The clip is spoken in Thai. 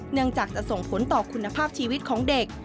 เนื่องจากจะส่งผลต่อคุณภาพชีวิตของเด็ก